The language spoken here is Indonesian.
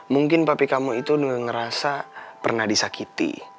mungkin papi kamu itu ngerasa pernah disakiti